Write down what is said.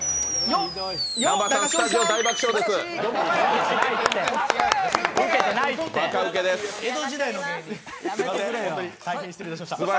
南波さん、スタジオ大爆笑です。